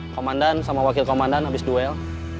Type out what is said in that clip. komandan sama wakil komandan habis duel